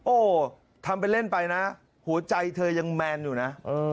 โอ้โหทำไปเล่นไปนะหัวใจเธอยังแมนอยู่นะ